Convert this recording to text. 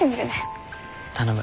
頼む。